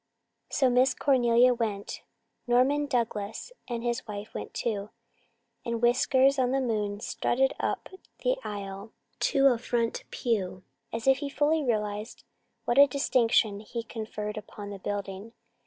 So Miss Cornelia went. Norman Douglas and his wife went too. And Whiskers on the moon strutted up the aisle to a front pew, as if he fully realized what a distinction he conferred upon the building.